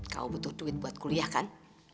kamu butuh duit buat kuliah kan